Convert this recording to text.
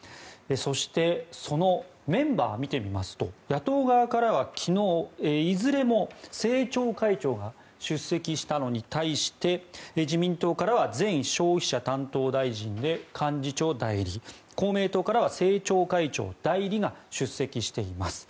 そして、そのメンバーを見てみますと、野党側からは昨日、いずれも政調会長が出席したのに対して自民党からは前消費者担当大臣で幹事長代理公明党からは政調会長代理が出席しています。